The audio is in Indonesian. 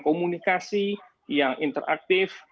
komunikasi yang interaktif